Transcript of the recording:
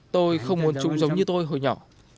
tôi không muốn chúng giống như tôi hồi nhỏ